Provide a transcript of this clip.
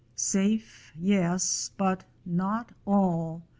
Safe, yes — but not all.